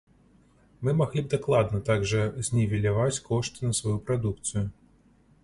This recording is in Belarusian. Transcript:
Мы маглі б дакладна так жа знівеляваць кошты на сваю прадукцыю.